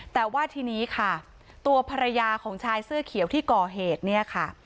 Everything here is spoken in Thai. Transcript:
แต่ว่าทีนี้ค่ะตัวภรรยาของชายเสื้อเขียวที่ก่อเหตุเนี่ยค่ะ